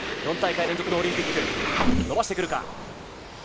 ４大会連続のオリンピック、伸ばしてくるか。